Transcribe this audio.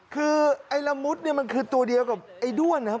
คือไอ้ละมุดเนี่ยมันคือตัวเดียวกับไอ้ด้วนนะครับ